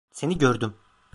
Seni gördüm.